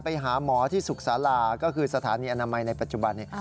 ไปหาหมอที่สุขศาลาก็คือสถานีอนามัยในปัจจุบันนี้